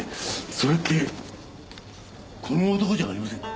それってこの男じゃありませんか？